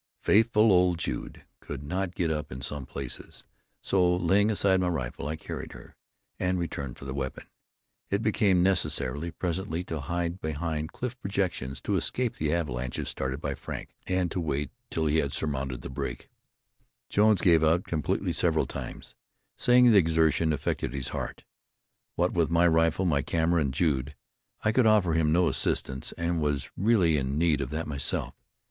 Faithful old Jude could not get up in some places, so laying aside my rifle, I carried her, and returned for the weapon. It became necessary, presently, to hide behind cliff projections to escape the avalanches started by Frank, and to wait till he had surmounted the break. Jones gave out completely several times, saying the exertion affected his heart. What with my rifle, my camera and Jude, I could offer him no assistance, and was really in need of that myself.